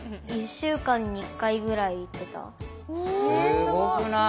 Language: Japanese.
すごくない？